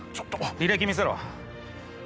履歴見せろ。